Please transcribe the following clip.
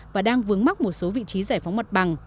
và đang vướng mắc một số vị trí giải phóng mặt bằng